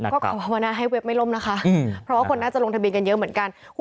ก็ขอภาวนาให้เว็บไม่ล่มนะคะเพราะว่าคนน่าจะลงทะเบียนกันเยอะเหมือนกัน